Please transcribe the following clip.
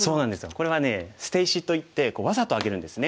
これはね捨て石といってわざとあげるんですね。